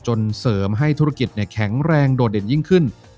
เสริมให้ธุรกิจแข็งแรงโดดเด่นยิ่งขึ้น